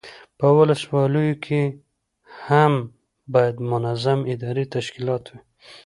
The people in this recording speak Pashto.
په ولسوالیو کې هم باید منظم اداري تشکیلات وي.